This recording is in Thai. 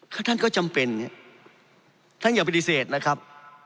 ก็ท่านก็จำเป็นท่านอย่าปฏิเสธนะครับ